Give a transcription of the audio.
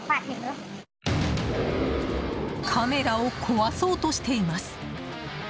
カメラを壊そうとしています。